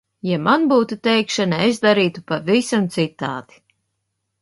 Ja man būtu teikšana, es darītu pavisam citādi.